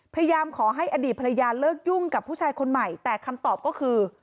พยายามขอให้อดีตภรรยาเลิกยุ่งกับผู้ชายคนใหม่แต่คำตอบก็คือ